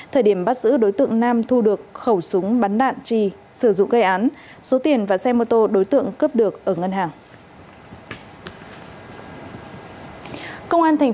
thời điểm bắt giữ đối tượng nam thu được khẩu súng bắn đạn trì sử dụng gây án số tiền và xe mô tô đối tượng cướp được ở ngân hàng